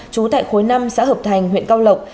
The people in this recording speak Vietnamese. trú tại khối năm xã hợp thành huyện cao lộc